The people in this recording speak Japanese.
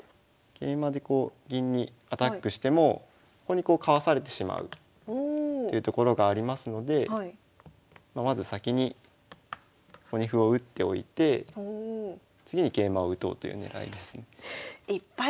桂馬でこう銀にアタックしてもここにこうかわされてしまうというところがありますのでまず先にここに歩を打っておいて次に桂馬を打とうという狙いですね。